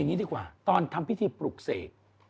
๕๙อัตนีดีกว่าต้อนทำพิธีปลุกเสก